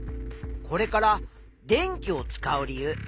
これから電気を使う理由